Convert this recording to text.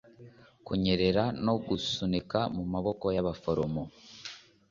kunyerera no gusunika mu maboko y'abaforomo